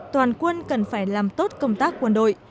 toàn quân cần phải làm tốt công tác quân đội